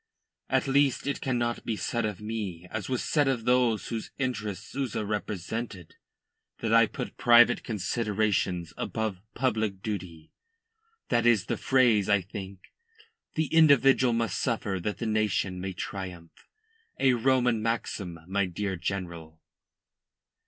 At least it cannot be said of me, as was said of those whose interests Souza represented, that I put private considerations above public duty that is the phrase, I think. The individual must suffer that the nation may triumph. A Roman maxim, my dear General."